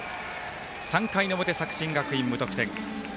３回の表、作新学院、無得点。